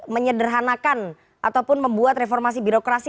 menyederhanakan ataupun membuat reformasi birokrasi